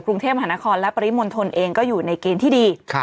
กรุงเทพมหานครและปริมณฑลเองก็อยู่ในเกณฑ์ที่ดี